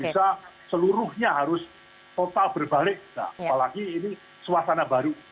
bisa seluruhnya harus total berbalik apalagi ini suasana baru